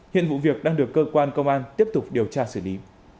hiện vụ việc đang được cơ quan công an tiếp tục điều tra xử lý